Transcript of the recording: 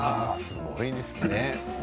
すごいですね。